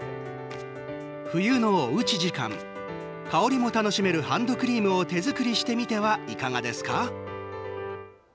冬のおうち時間香りも楽しめるハンドクリームを手作りしてみてはいかがですか。